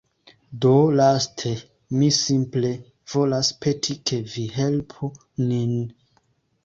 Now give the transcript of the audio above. Do, laste mi simple volas peti ke vi helpu nin.